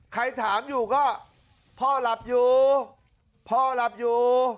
ใครถามอยู่ก็พ่อรับอยู่